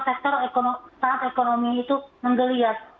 sektor saat ekonomi itu menggeliat